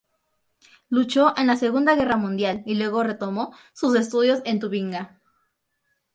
Luchó en la Segunda Guerra Mundial, y luego retomó sus estudios en Tubinga.